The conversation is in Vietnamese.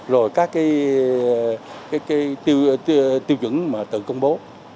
rồi các tiêu chuẩn tự công bố